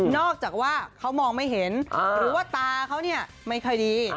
อกจากว่าเขามองไม่เห็นหรือว่าตาเขาเนี่ยไม่ค่อยดี